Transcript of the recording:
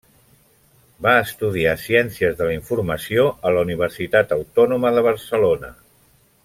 Va estudiar Ciències de la Informació a la Universitat Autònoma de Barcelona.